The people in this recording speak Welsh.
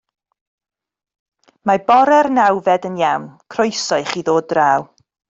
Mae bore'r nawfed yn iawn - croeso i chi ddod draw.